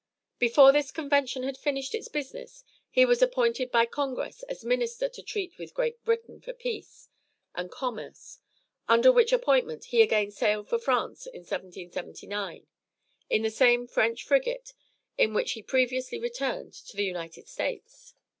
Before this convention had finished its business he was appointed by congress as minister to treat with Great Britain for peace, and commerce, under which appointment he again sailed for France in 1779, in the same French frigate in which he previously returned to the United States.